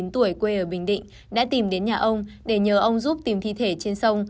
bốn mươi tuổi quê ở bình định đã tìm đến nhà ông để nhờ ông giúp tìm thi thể trên sông